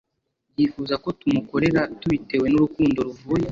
Yifuza ko tumukorera tubitewe n urukundo ruvuye